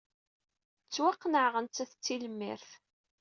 Ttwaqennɛeɣ nettat d tilemrit.